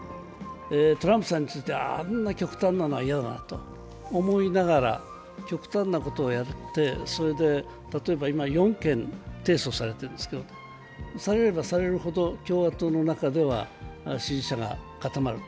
トランプさんについては、あんな極端なのは嫌だなと思いながら、極端なことをやって、それで例えば今、４件、提訴されているんですけどされればされるほど、共和党の中では支持者が固まると。